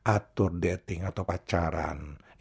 atur dating atau pacaran